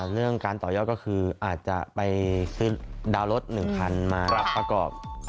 เรื่องการต่อยอดก็คืออาจจะไปซื้อดาวน์รถ๑คันมาประกอบ